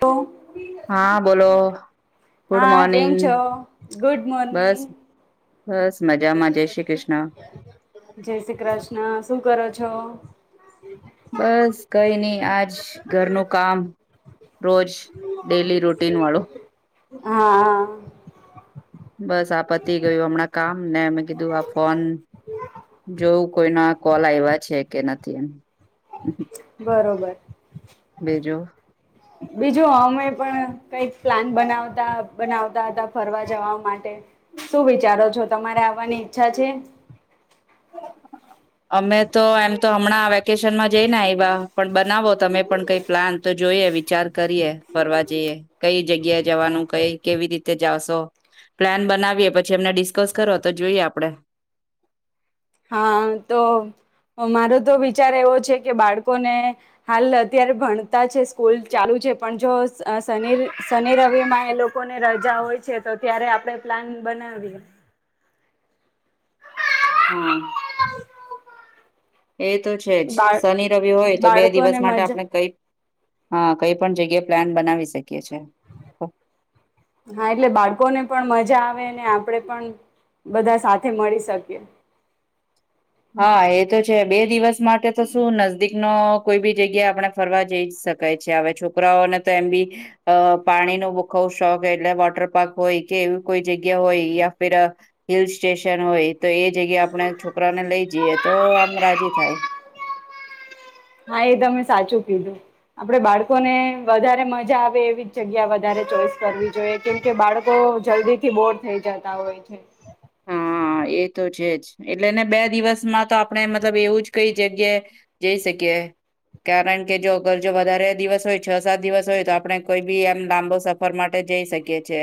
તો. હા, બોલો. ગુડ હા કેમ છો મોર્નિંગ. ગુડ મોર્નિંગ બસ બસ મજામાં જય શ્રી કૃષ્ણ જય શ્રી કૃષ્ણ. શું કરો છો? બસ કઈ નહી આજ ઘરનું કામ રોજ ડેલી રૂટીન વાળો. હાઆ. બસ આ પતિ ગયું હમણાં કામ ને મેં કીધું આ ફોન જોયું કોઈના કોલ આવ્યા છે કે નથી એમ. બરોબર. [inaudible] બીજું? બીજું આમે પણ કઈક પ્લાન બનાવતા બનાવતા હતા ફરવા જવા માટે. શું વિચારો છો તમારે આવાની ઈચ્છા છે? અમે તો એમ તો હમણાં વેકેશનમાં જઈ ને એવા પણ બનાવો તમે પણ કઈ પ્લાન તો જોઈએ વી ચાર કરીએ ફરવા જઈએ કઈ જગ્યા જવાનું કઈ કેવી રીતે જાશો પ્લાન બનાવીએ પછી એમને ડિસ્કસ કરો તો જોઈએ આપડે. હા, તો મારો તો વિચાર એવો છે કે બાળકોને હાલ અત્યારે ભણતા છે સ્કૂલ ચાલુ છે પણ જો અહ શનિ શનિ રવિ માં એ લોકોને રજા હોય છે તો ત્યારે આપણે પ્લાન બનાવીએ. હા એ તો છે જ બા શનિ રવિ હોય તો બે દિવસ બાળકોને માટે મજા આપણે કઈ હા, કઈ પણ જગ્યાએ પ્લાન બનાવી શક હા, એટલે બાળકો ને પણ મજા આવે ને આપડે પણ બધા સાથે મળી શકીએ. હા, એ તો છે બે દિવસ માટે તો શું નજદીક નો કોઈ બી જગ્યા આપણે ફરવા જઈ જ શકાય છે. હવે છોકરાઓને તો એમ બી અહ પાણી નો બુખવ શોખ એટલે વોટર પાર્ક હોય કે એવી કોઈ જગ્યા હોય યા ફર અહ હિલ સ્ટેશન હોય તો એ જગ્યા આપણે છોકરાને જીયે તો આમ રાજી થાય. હા એ તમે કીધું આપડે બાળકોને વધારે મજા આવે એવી જ જગ્યા વધારે ચોઈસ કરવી જોઈએ કેમકે બાળકો જલ્દી થી બોર થઈ જતા હોય છે હા, એ તો છે જ એટલે ને બે દિવસમાં તો આપણે મતલબ એવું જ કઈ જગ્યાએ જઈ શકીએ કારણ કે જો અગર જો વધારે દિવસ હોય છ, સાત દિવસ હોય તો આપણે કોઈ બી એમ લાંબો સફર માટે જઈ શકીયએ છે,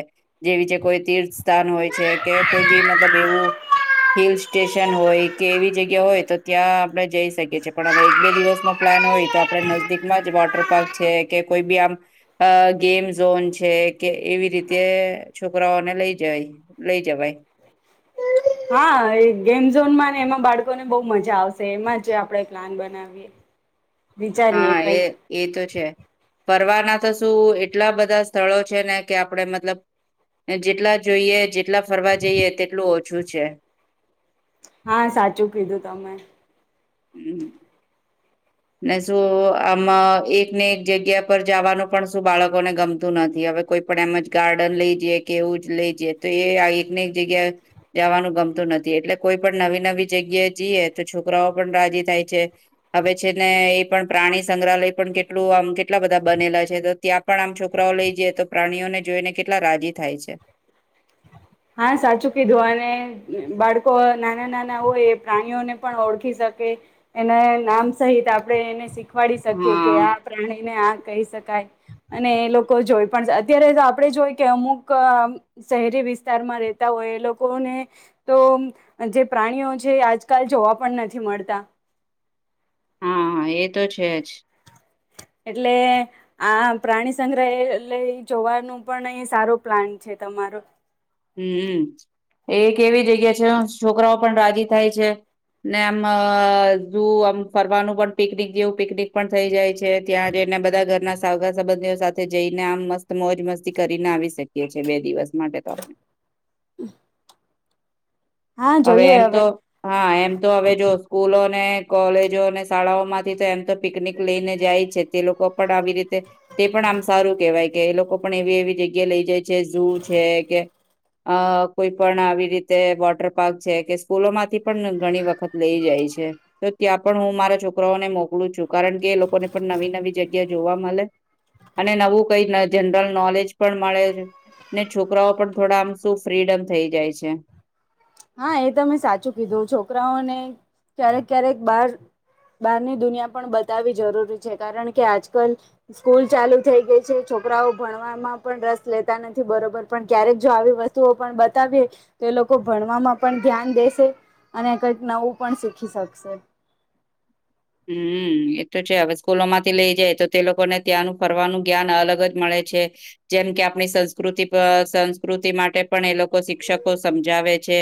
જેવી જે કોઈ તીર્થ સ્થાન હોય છે, કે કોઈ બી મતલબ એવું હિલ સ્ટેશન હોય કે એવી જગ્યા હોય તો ત્યાં આપણે જઈ શકીએ છીએ, પણ હવે એક બે દિવસનો પ્લાન હોય તો આપણે નજદીકમાં જ વોટર પાર્ક છે, કે કોઈ બી આમ ગેમ ઝોન છે કે એવી રીતે છોકરાઓને લઈ જ લઈ જવાય હા, એ ગેમઝોનમાં ને એમાં બાળકો ને બહુ મજા આવશે એમાં જ આપણેે પ્લાન બનાવીએ વિચારીએ હા, એ કંઈક એ તો છે ફરવાના તો શું એટલા બધા સ્થળો છે, ને કે આપણેે મતલબ જેટલા જોઈએ જેટલા ફરવા જઈએ તેટલું ઓછું છે હા સાચું કીધું તમે હમ ને શું આમ એકને એક જગ્યા પર જવાનું પણ શું બાળકોને ગમતું નથી હવે કોઈ પણ એમ જ ગાર્ડન લઈ જઈએ કે એવું જ લઈ જઈએ તો એ એક એક જગ્યાએ જવાનું ગમતું નથી એટલે કોઈ પણ નવી નવી જગ્યાએ જઈએ તો છોકરાઓ પણ રાજી થાય છે હવે છે ને એ પણ પ્રાણી સંગ્રહાલય પણ કેટલું આમ કેટલા બધા બનેલા છે તો ત્યાં પણ આમ છોકરાઓ લઈ જઈ તો પ્રાણીઓને જોઈને કેટલા રાજી થાય છે હા, સાચું કીધું અને બાળકો નાના નાના હોય એ પ્રાણીઓને પણ ઓળખી શકે એના નામ સહિત આપણે એને શ શીખવાડી શકીએ કે હા આ પ્રાણી ને આ કહી શકાય અને એ લોકો જોય પણ અત્યારે, આપડે જોય કે અમુક શહેરી વિસ્ત વિસ્તારમાં રેતા હોય એ લોકોને તો જે પ્રાણીઓ છે આજકાલ જોવા પણ નથી મળતા હા, હા, એ તો છે જ એટલે આ પ્રાણી સંગ્રહલય જોવાનું પણ અહી સારો પ્લાન છે તમારો હમ, એ કેવી જગ્યા [unintelligible] છોકરાઓ પણ રાજી થાય છે, ને આમ જ આમ ફરવાનું પણ પિકનિક જેવું પિકનિક પણ થઈ જાય છે, ત્યાં જઈને બધા ઘરના સાગા સંબંધીઓ સાથે જઈને આમ મસ્ત મોજ મસ્તી કરીને આવી શકીએ છીએ બે દિવસ માંડે તો આપને [unintelligible] હમ હવે એમ તો હા એમ તો હવે જો સ્કૂલોને કોલેજો અને શાળાઓ માંથી તો એમ તો પિકનિક લઈને જાય છે તે લોકો પણ આવી રીતે તે પણ આમ સારું કેવાય કે એ લોકો પણ એવી એવી જગ્યા લઈ જાય છે ઝૂ છે કે કોઈ પણ આવી રીતે વોટર કે સ્કૂલો માંથી પણ ઘણી વખત લઈ જાય છે તો ત્યાં પણ હું મારા છોકરાઓને મોકલું છું કારણ કે એ લોકોને પણ નવી નવી જગ્યા જોવા મળે અને નવું કઈ જનરલ નોલેજ પણ મળે ને છોકરાઓ પણ થોડા આમ શું ફ્રીડમ થઈ જાય છે હા, એ ત મેમે સાચું કીધું છોકરાઓને ક્યારેક ક્યારેક બાર બહારની દુનિયા પણ બતાવી જરૂરી છે, કારણ કે આજકાલ સ્કૂલ ચાલુ થઈ ગઈ છે, છોકરાઓ ભણવામાં પણ રસ લેતા નથી બરોબર પણ ક્યારેક જો આવી વસ્તુઓ પણ બતાવીએ તો એ લોકો ભણવામાં પણ ધ્યાન દેશે અને કંઈક નવું પણ શીખી શકશે હમ, એતો છે હવે સ્કૂલો માંથી લઇ જાય તો તે લોકોને ત્યાંનું ફરવાનું જ્ઞાન અલગ જ મળે છે જેમ કે આપણી સંસ્કૃતિ સંસ્કૃતિ માટે પણ એ લોકો શિક્ષકો સમજાવે છે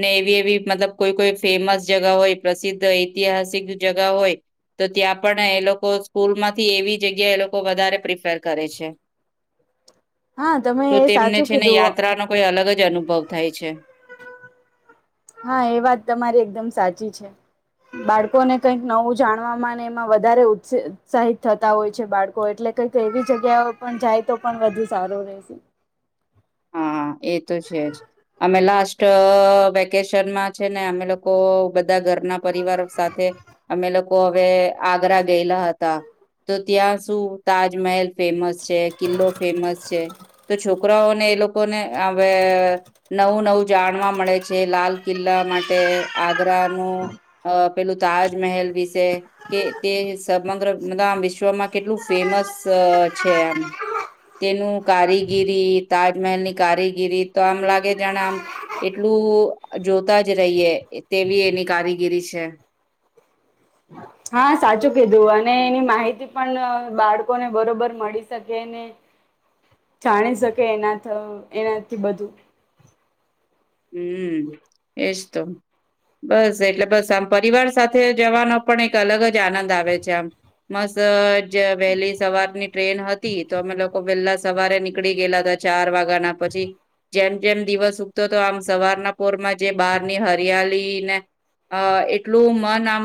ને એવી એવી મતલબ કોઈ કોઈ ફેમસ જગા હોય પ્રસિદ્ધ ઐતિહાસિક જ હોય તો ત્યાં પણ એ લોકો સ્કૂલ માંથી એવી જગ્યા એ લોકો વધારે પ્રિફર કરે છે હા, તમે તો એ તેમને સાચું છે ને કીધું હો યાત્રાનો કોઈ અલગ જ અનુભવ થાય છે હા, એ વાત તમારી એકદમ સાચી છે, બાળકોને કઈક નવું જાણવામાં એમાં વધારે ઉત્સાહિત થતા હોય છે, બાળકો એટલે કઈક એવી જગ્યાઓપણ જાય તો પણ વધુ સારું રહેશે હા, એ તો છે જ અમે લાસ્ટ વેકેશનમાં છે ને અમે લોકો બધા ઘરના પરિવાર સાથે અમે લોકો હવે આગ્રા ગયેલા હતા, તો ત્યાં શું તાજમહેલ ફેમસ છે, કિલ્લો ફેમસ છે, તો છોકરાઓને લોકોને હવે નવું નવું જાણવા મળે છે, લાલ કિલ્લા માટે આગ્રાનું પેલું અ તાજમહેલ વિશે કે તે સમગ્ર મ આમ વિશ્વમાં કેટલું ફેમસ છે, આમ તેનું કારીગીરી તાજ તાજમલ ની કારીગીરી તો આમ લાગે જાણે આમ એટલું જોતા જ રહીએ તેવી એની કારીગીરી છે હા, સાચું કીધું અને એની માહિતી પણ બાળકોને બરોબર મળી શકે ને જાણી શકે એના એનાથી બધું હમ, એજ તો બસ એટલે બસ આમ પરિવાર સાથે જવાનો પણ એક અલગ જ આનંદ આવે છે, આમ મસ્ત વહેલી સવારની ટ્રેન હતી તો અમે લોકો વહેલા સવારે નીકળી ગયેલા હતા ચાર વાગ્યા ના પછી જેમ જેમ દિવસ ઉગતો આમ સવારના પોરમાં જે બહારની હરિયાળને અ એટલું મન આમ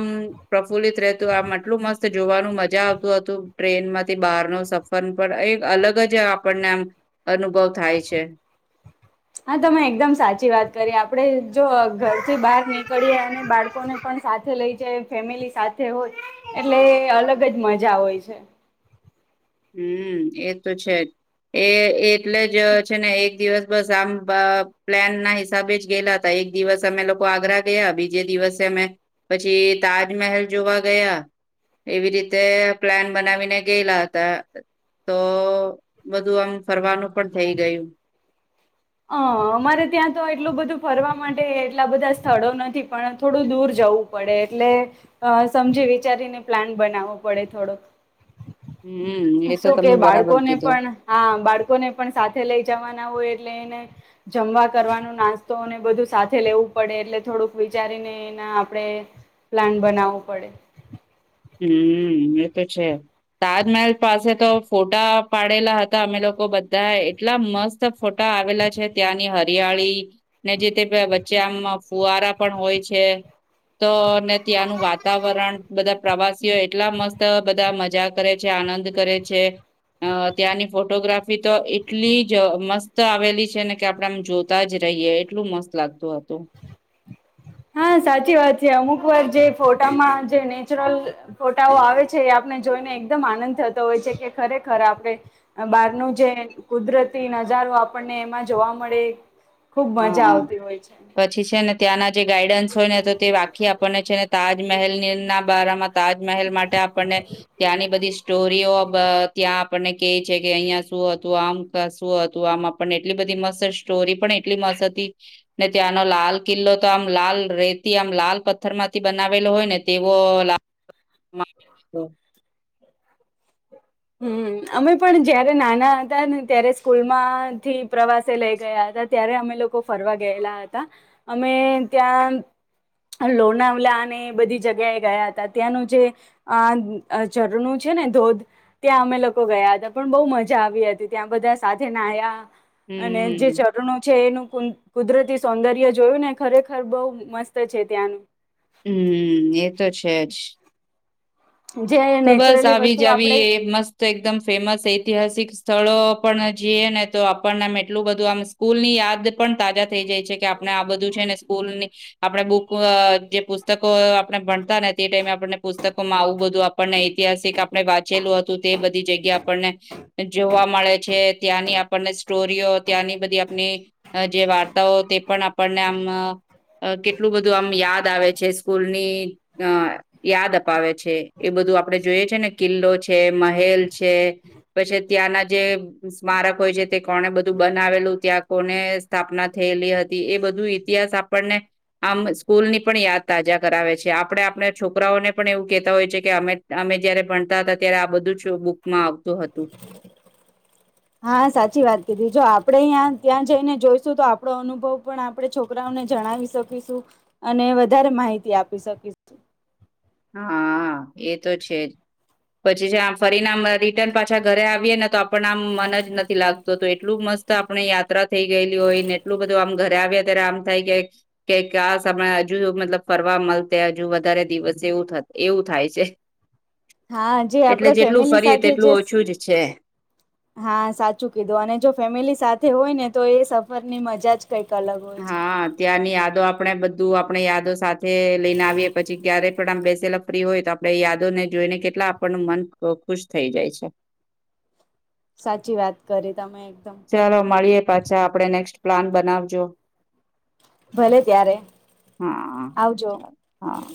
પ્રફુલ્લિત રહેતું આમ આટલું મસ્ત જોવાનું મજા આવતું હતું. ટ્રેનમાંથી બહાર નુ સફર પણ એ અલગ જ આપણને આમ અનુભવ થાય છે. હા, તમે એકદમ સાચી વાત કરીએ આપડે જો ઘરથી બહાર નીકળએ અને બાળકોને પણ સાથે લઈ જાય ફેમિલી સાથે હોત એટલે અલગ જ મજા હોય છે. હમ્મ, એ તો છે જ એ એટલે જ છે ને એક દિવસ બસ આમ પ્લાન ના હિસાબે જ ગયેલા હતા. એક દિવસે અમે લોકો આગ્રા ગયા, બીજે દિવસે અમે પછી તાજમહેલ જોવા ગયા એવી રીતે પ્લાન બનાવીને ગયેલા. તો બધું આમ ફરવાનું પણ થઇ ગયું. અ અમારે ત્યાં તો એટલું બધું ફરવા માટે એટલા બધા સ્થળો નથી પણ થોડું દૂર જવું પડે એટલે સમજી વિચારીને પ્લાન બનાવવો પડે થોડોક. હમ એ તો શું કે તમે બરાબર બાળકોને કીધું પણ હા બાળકોને પણ સાથે લઈ જવાના હોય એટલે એને જમવા કરવાનું, નાસ્તોને બધું સાથે લેવું પડે એટલે થોડુંક વિચારીને એના આપણેે પ્લાન બનાવવું પડે. હમ્મ, એ તો છે તાજમહેલ પાસે તો ફોટા પાડેલા હતા અમે લોકો બધા એટલા મસ્ત ફોટા આવેલા છે ત્યાંની હ હરિયાળી ને જે તે વચ્ચે આમ ફુવારા પણ હોય છે. તો ને ત્યાંનું વાતાવરણ બધા પ્રવાસીઓ એટલા મસ્ત બધા મજા કરે છે, આનંદ કરે છે. ત્યાંની ફોટોગ્રાફી તો એટલી જ મસ્ત આવેલી છે ને કે આપણે આમ જોતા જ રહીએ એટલું મસ્ત લાગતું હતું. હા સાચી વાત છે. અમુક વાર જે ફોટામાં જે નેચરલ ફોટાઓ આવે છે એ આપણે જોઈને એકદમ આનંદ થતો હોય છે કે ખરેખર આપણે બહાર નું જે કુદરતી નજારો આપણને એમાં જોવા મળે ખુબ હા મજા હા આવતી હોય છે. પછી છે ને ત્યાંના જે ગાઈડન્સ હોય ને તો તે વાખી આપણને છેને તાજમહેલની ના બારામાં તાજમહેલ માટે આપણને ત્યાંની બધી સ્ટોરીઓ અ ત્યાં આપણને કેય છે કે અહિયાં શું હતું, આમ શું હતું આમ આપણને એટલી બધી મસર સ્ટોરી પણ ટલી મસ્ત હતી. ને ત્યાંનો લાલ કિલ્લો તો આમ લાલ રેતી આમ લાલ પથ્થર માંથી બનાવેલો હોય ને તેવો લા [inaudible] હમ્મ, અમે પણ જયારે નાના હતા ને ત્યારે સ્કૂલમાંથી પ્રવાસે લઈ ગયા હતા. ત્યારે અમે લોકો ફરવા ગયેલા હતા અમે ત્યાં લોનાવલા અને એ બધી જગ્યાએ ગયા હતા. ત્યાંનું જે આ ઝરણું છે ને ધોધ ત્યાં અમે લોકો ગયા હતા પણ બહુ મજા આવી હતી ત્યાં બધા સાથે નાયા અને જે હમ ચરણો છે એનું કુદરતી સૌંદર્ય જોયું ને ખરેખર બહુ મસ્ત છે ત્યાંનું. હમ્મ, એ તો છે જ. જે તો બસ નેચરલી આવી વસ્તુ જ આવી આપણે એ મસ્ત એકદમ ફેમસ ઐતિહાસિક સ્થળો પણ જઈએ ને તો આપણનેમ એટલું બધું આમ સ્કૂલ ની યાદ પણ તાજા થઈ જાય છે કે આપણે આ બધું છેને સ્કૂલ ની આપણે બુક જે પુસ્તકો આપણે ભણતા ને તે ટાઈમે આપણને પુસ્તકોમાં આવું બધું આપણને ઐતિહાસિક આપણે વાંચેલું હતું તે બધી જગ્યા આપણને જોવા મળે છે, ત્યાંની આપણને સ્ટોરીઓ, ત્યાંની બધી આપની જે વાર્તાઓ તે પણ આપણને આમ અ કેટલું બધું આમ યાદ દ આવે છે સ્કૂલ ની અ યાદ અપાવે છે. એ બધું આપડણે જોઈએ છે ને કિલ્લો છે, મહેલ છે પછી ત્યાંના જે સ્મારક હોય છે તે કોને બધું બનાવેલું ત્યાં કોને સ્થાપના થયેલી હતી. એ બધું ઇતિહાસ આપણને આમ સ્કૂલની પણ યાદ તાજા કરાવે છે. આપણે આપણે છોકરાઓને પણ એવું કેહેતા હોય છે કે અમે અમે જયારે ભણતા હતા ત્યારે આ બધું જ બુકમાં આવતું હતું. હા સાચી વાત કીધી. જો આપણે અહીં ત્યાં જઈને જોઈશું તો આપણો અનુભવ પણ આપણે છોકરાઓને જણાવી શકીશું અને વધારે માહિતી આપી શકીશું. હા એ તો છે જ પછી જે ફરીને રિટર્ન પાછા ઘરે આવીએે ને તો આપણને આમ મન જ નથી લાગતું. તો એટલું મસ્ત આપણે યાત્રા થઈ ગયેલી હોય ને એટલ બધું આમ આવ્યા ત્યારે આમ થાય કેક આ સમય હજુ મતલબ ફરવા મળ હજુ વધારે દિવસ જેવું થ એવું થાય છે હા જે એટલે આપડે જેટલું ફેમિલી ફરીએ સાથે જે તેટલું ઓછું જ છે હા સાચું કીધું અને જો ફેમિલી સાથે હોય ને. તો એ સફરની મજા જ. કંઈક અલગ હોય છે હા ત્યાંની યાદો આપ પણે બધું આપણે યાદો સાથે લઈને આવીએ પછી ક્યારે પણ આમ બેસેલા ફ્રી હોય તો આપડે યાદોને જોઈને કેટલા આપણનું મન ખુશ થઈ જાય છે. સાચી વાત કરી. તમે એકદમ ચલો મળીયે પાછા આપડે નેક્સ્ટ પ્લાન બનાવજો. ભલે ત્યારે હા આવજો. ચાલ હા